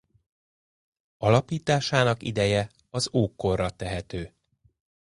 Alapításának ideje az ókorra tehető.